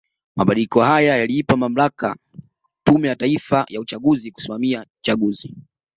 Mabadiliko haya yaliipa mamlaka Tume ya Taifa ya uchaguzi kusimamia chaguzi